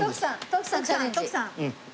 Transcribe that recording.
徳さん徳さん。